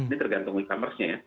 ini tergantung e commerce nya ya